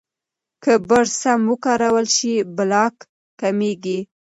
که برس سم وکارول شي، پلاک کمېږي.